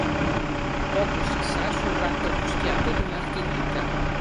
Poco si sa sul ratto muschiato di Martinica.